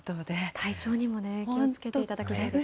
体調にも気をつけていただきたいですよね。